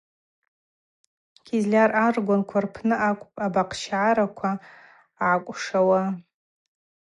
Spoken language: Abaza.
Кизляр аргванква рпны акӏвпӏ абахъщгӏараква ъакӏвшауа.